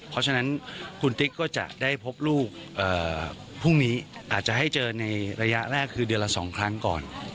เพราะฉะนั้นคุณติ๊กก็จะได้พบลูกพรุ่งนี้อาจจะให้เจอในระยะแรกคือเดือนละ๒ครั้งก่อน